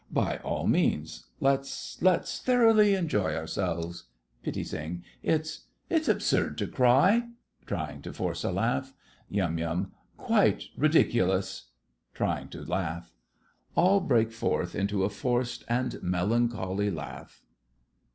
By all means. Let's—let's thoroughly enjoy ourselves. PITTI. It's—it's absurd to cry! (Trying to force a laugh.) YUM. Quite ridiculous! (Trying to laugh.) (All break into a forced and melancholy laugh.)